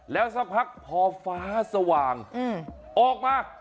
แล้วสักพักพอฟ้าสว่างออกมา